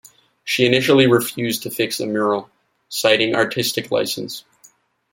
She initially refused to fix the mural, citing artistic license.